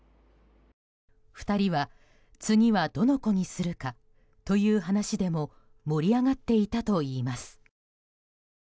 ２人は、次はどの子にするかという話でも盛り上がっていたといいます。